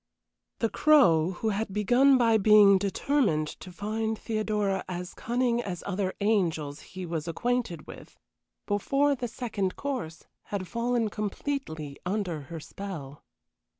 The Crow, who had begun by being determined to find Theodora as cunning as other angels he was acquainted with, before the second course had fallen completely under her spell.